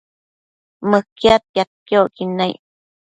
Mëquiadtiadquio icquid naic